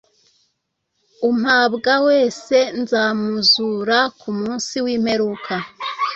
umpabwa wese nzamuzura k'umunsi w'imperuka